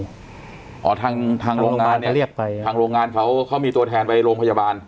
อ๋อทางทางโรงงานเนี้ยทางโรงงานเขาเรียกไปทางโรงงานเขาเขามีตัวแทนไปโรงพยาบาล